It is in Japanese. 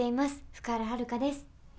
福原遥です。